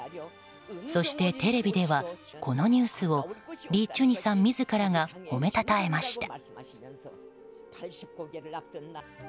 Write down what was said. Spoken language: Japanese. そしてテレビではこのニュースをリ・チュニさん自らが褒めたたえました。